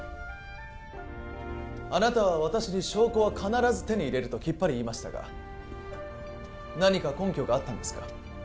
あなたは私に証拠は必ず手に入れるときっぱり言いましたが何か根拠があったんですか？